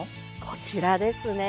こちらですね。